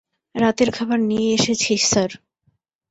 রাতের খাবার নিয়ে এসেছি স্যার।